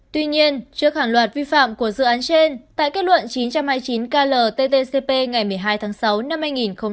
tuy nhiên trước hàng loạt vi phạm của dự án trên tại kết luận chín trăm hai mươi chín klttcp ngày một mươi hai tháng sáu năm hai nghìn một mươi chín